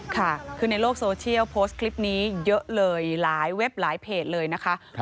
ค่ะคือในโลกโซเชียลโพสต์คลิปนี้เยอะเลยหลายเว็บหลายเพจเลยนะคะ